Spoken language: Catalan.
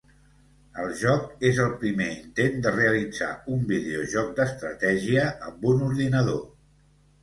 El joc és el primer intent de realitzar un videojoc d'estratègia amb un ordinador.